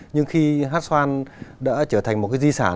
nhưng khi hát xoan đã trở thành một cái di sản